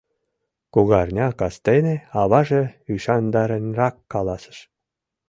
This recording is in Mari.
Кугарня кастене аваже ӱшандаренак каласыш: